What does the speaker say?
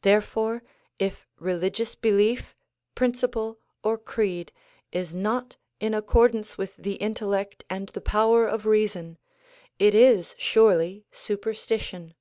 Therefore if religious belief, principle or creed is not in accordance with the intellect and the power of reason, it is surely superstition.